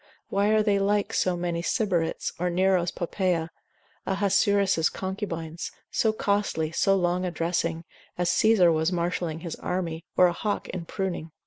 Why are they like so many Sybarites, or Nero's Poppaea, Ahasuerus' concubines, so costly, so long a dressing, as Caesar was marshalling his army, or a hawk in pruning?